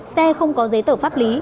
xe không có giấy tờ pháp lý